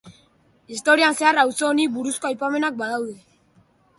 Historian zehar auzo honi buruzko aipamenak badaude.